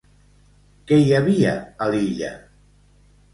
Què hi havia a l'illa?